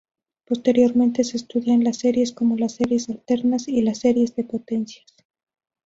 Posteriormente se estudian las series, como las series alternadas y las series de potencias.